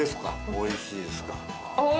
おいしいですか。